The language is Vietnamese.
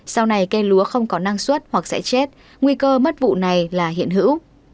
sau này cây lúa không có năng suất hoặc sẽ chết nguy cơ mất vụ này là hiện hữu